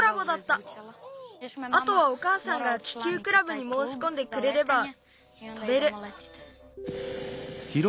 あとはおかあさんが気球クラブにもうしこんでくれれば飛べる。